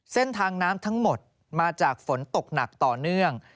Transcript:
เส้นทางน้ำทั้งหมดมาจากฝนตกหนักต่อเนื่อง